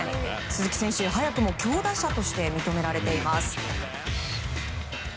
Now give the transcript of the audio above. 鈴木選手、早くも強打者として認められています。